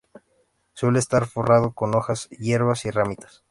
Suele estar forrado con hojas, hierbas y ramitas.